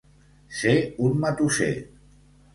Ser un matusser.